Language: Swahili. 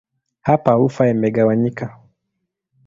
Hapa ufa imegawanyika.